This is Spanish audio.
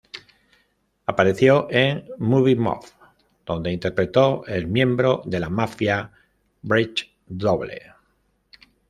Apareció en "Movie Mob", donde interpretó el miembro de la mafia Brit doble.